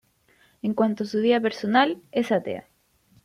En cuanto a su vida personal, es atea.